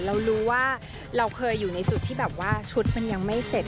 เรารู้ว่าเราเคยอยู่ในจุดที่แบบว่าชุดมันยังไม่เสร็จ